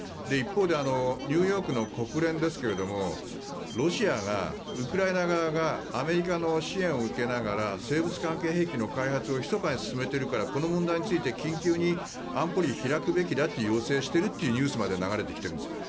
一方でニューヨークの国連ですがロシアがウクライナ側がアメリカの支援を受けながら生物・化学兵器の開発をひそかに進めているからこの問題について緊急に安保理を開くように要請すべきだというニュースまで流れてきています。